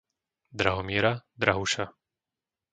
Drahomíra, Drahuša